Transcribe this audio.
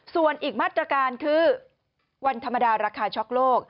ส่วนอีกมาตรการคือวันธรรมดาราคาช็อกโลก